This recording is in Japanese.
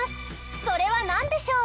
それはなんでしょう？